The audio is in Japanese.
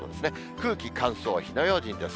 空気乾燥、火の用心です。